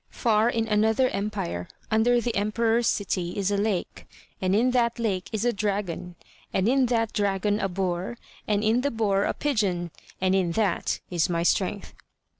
Far in another empire under the emperor's city is a lake, in that lake is a dragon, and in that dragon a boar, and in the boar a pigeon, and in that is my strength."